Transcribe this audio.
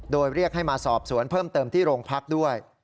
โดยเรียกให้มาสอบสวนเพิ่มเติมที่โรงพักด้วย